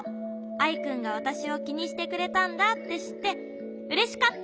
アイくんがわたしをきにしてくれたんだってしってうれしかった。